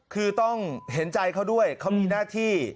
คือต้องเห็นใจเขาด้วยเขามีหน้าที่